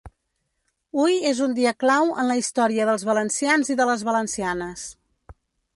Hui és un dia clau en la història dels valencians i de les valencianes.